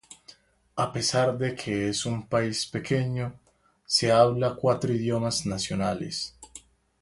A pesar de que es un país pequeño, se hablan cuatro idiomas nacionales.